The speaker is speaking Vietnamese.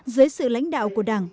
dưới sự lãnh đạo của đảng